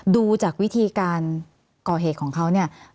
ดูจากวิธีการก่อเหตุของเขาเนี่ย